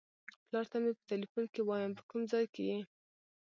پلار ته مې په ټیلیفون کې وایم په کوم ځای کې یې.